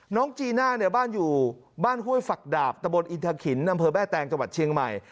น้องจีน่าเนี่ยบ้านอยู่บ้านห้วยฝักดาบตระบลอินทฯขินอแบ้แตงจเชียงใหม่